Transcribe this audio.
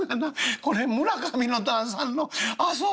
「これ村上の旦さんの遊び？